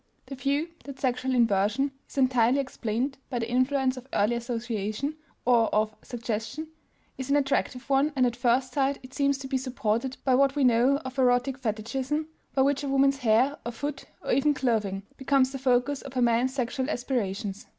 The view that sexual inversion is entirely explained by the influence of early association, or of "suggestion," is an attractive one and at first sight it seems to be supported by what we know of erotic fetichism, by which a woman's hair, or foot, or even clothing, becomes the focus of a man's sexual aspirations.